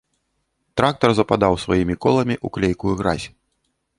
Трактар западаў сваімі коламі ў клейкую гразь.